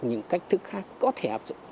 những cách thức khác có thể hợp dụng